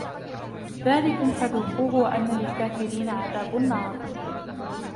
ذلكم فذوقوه وأن للكافرين عذاب النار